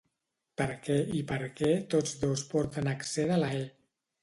Per què i perquè tots dos porten accent a la è.